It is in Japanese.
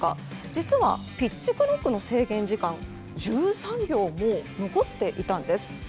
実は、ピッチクロックの制限時間１３秒も残っていたんです。